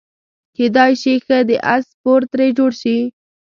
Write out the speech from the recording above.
کیدای شي ښه د اس سپور ترې جوړ شي.